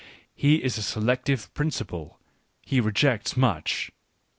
| He is a selective principle ; he rejects much.